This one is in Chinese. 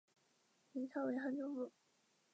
这一地区的天气一般是寒冷而潮湿的。